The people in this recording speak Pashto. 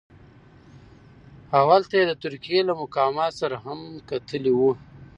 او هلته یې د ترکیې له مقاماتو سره هم کتلي وو.